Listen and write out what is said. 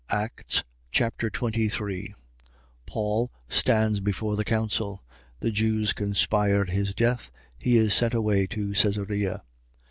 Acts Chapter 23 Paul stands before the council. The Jews conspire his death. He is sent away to Cesarea.